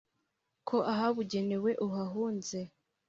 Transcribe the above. ko ahabugenewe uhahunze